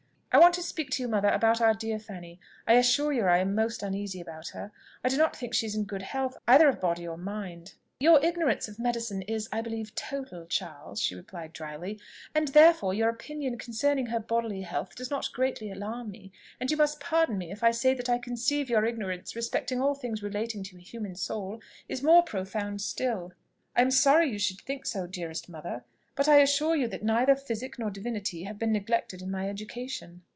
"I want to speak, to you, mother, about our dear Fanny. I assure you I am very uneasy about her; I do not think she is in good health, either of body or mind." "Your ignorance of medicine is, I believe, total, Charles," she replied dryly, "and therefore your opinion concerning her bodily health does not greatly alarm me; and you must pardon me if I say that I conceive your ignorance respecting all things relating to a human soul, is more profound still." "I am sorry you should think so, dearest mother; but I assure you that neither physic nor divinity have been neglected in my education."